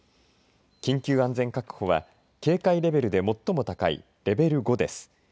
緊急安全確保は警戒レベルで最も高いレベル５です。